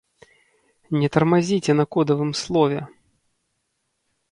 Не тармазіце на кодавым слове!